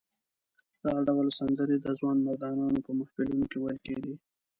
دغه ډول سندرې د ځوانمردانو په محفلونو کې ویل کېدې.